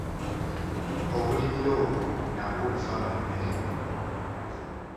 Obulimiro obwo nabwo buvaamu emmere.